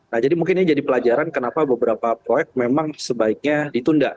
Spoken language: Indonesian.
nah jadi mungkin ini jadi pelajaran kenapa beberapa proyek memang sebaiknya ditunda